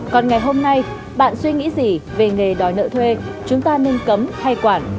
còn ngày hôm nay bạn suy nghĩ gì về nghề đòi nợ thuê chúng ta nên cấm hay quản